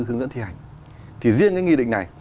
hướng dẫn thi hành thì riêng cái nghị định này